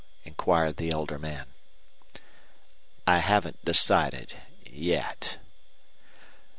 inquired the elder man. "I haven't decided yet."